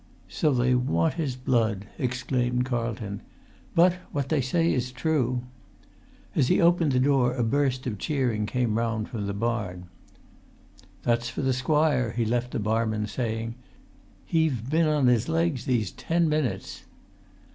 "So they want his blood!" exclaimed Carlton. "But what they say is true." As he opened the door a burst of cheering came round from the barn. "That's for the squire," he left the barman saying. "He've been on his legs these ten minutes."